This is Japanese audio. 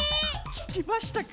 ききましたか？